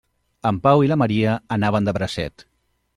En Pau i la Maria anaven de bracet.